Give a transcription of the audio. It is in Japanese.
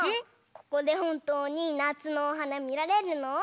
ここでほんとうになつのおはなみられるの？